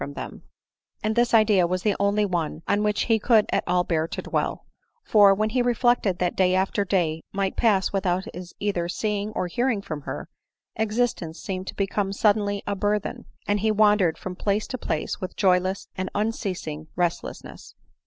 271 from them ; and this idea was the only one on which he could at all bear to dwell $ for, when he reflected that day after day might pass without his either seeing or hearing from tier, existence seemed to become suddenly a burthen, and he wandered from place to place wiui joyless and unceasing resslessness.